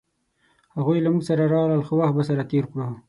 هغوی له مونږ سره راغلل ښه وخت به سره تیر کړو